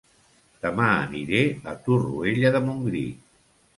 Dema aniré a Torroella de Montgrí